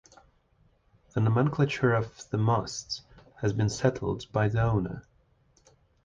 The nomenclature of the masts has been settled by the owner.